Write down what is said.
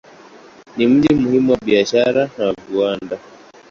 Ni mji muhimu wa biashara na viwanda.